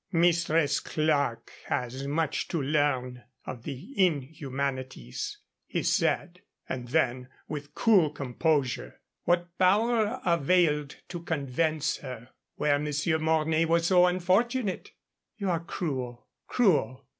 "Mistress Clerke has much to learn of the inhumanities," he said. And then, with cool composure, "What power availed to convince her, where Monsieur Mornay was so unfortunate?" "You are cruel, cruel.